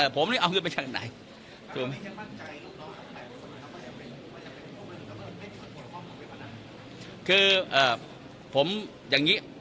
ผมเนี่ยเอาเงินไปจากไหน